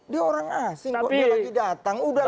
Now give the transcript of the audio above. dia orang asing kok dia lagi datang